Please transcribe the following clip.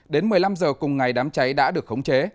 đến một mươi năm h cùng ngày đám cháy đã được khống chế